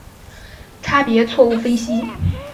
差别错误分析。